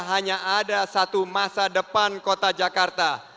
hanya ada satu masa depan kota jakarta